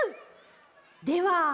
では